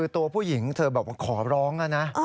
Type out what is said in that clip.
ตัวผู้หญิงเธอบอกว่าขอร้องแล้วนะ